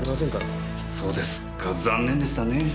そうですか残念でしたね。